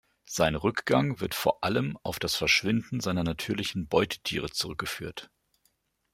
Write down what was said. Sein Rückgang wird vor allem auf das Verschwinden seiner natürlichen Beutetiere zurückgeführt.